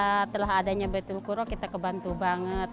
alhamdulillah setelah adanya baitul kuro kita kebantu banget